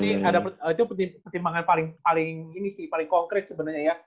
itu penting ada pertimbangan paling ini sih paling konkret sebenarnya ya